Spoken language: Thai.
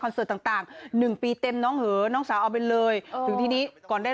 คอนเสิร์ตต่างหนึ่งปีเต็มน้องเห๋น้องสาวเอาเป็นเลยถึงที่นี้ก่อนได้